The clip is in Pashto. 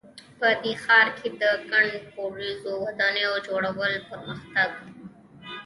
په دې ښار کې د ګڼ پوړیزو ودانیو جوړول یو پرمختګ ده